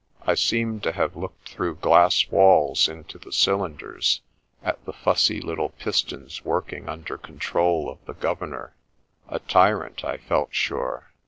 I seemed to have looked through glass walls into the cylinders, at the fussy little pistons working under control of the " governor," —^ tyrant, I felt sure.